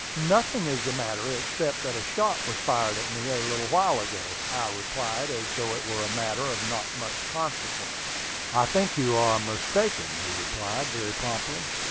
"Nothing is the matter, except that a shot was fired at me a little while ago," I replied, as though it were a matter of not much consequence. "I think you are mistaken," he replied very promptly.